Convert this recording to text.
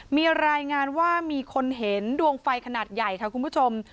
มีรายงานว่ามีคนเห็นดวงไฟขนาดใหญ่ค่ะคุณผู้ชม